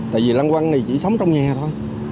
tại vì lăng quăng này chỉ sống trong nhà thôi